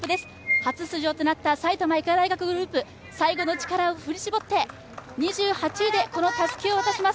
初出場となった埼玉医科大学グループ、最後の力を振り絞って２８位でたすきを渡します。